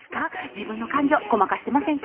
自分の感情ごまかしていませんか？